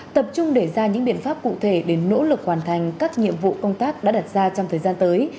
tập trung để ra những biện pháp cụ thể để nỗ lực hoàn thành các nhiệm vụ công tác đã đặt ra trong thời gian tới